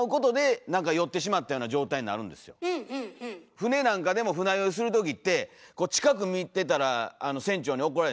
船なんかでも船酔いする時って近く見てたら船長に怒られる。